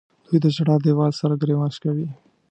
دوی د ژړا دیوال سره ګریوان شکوي.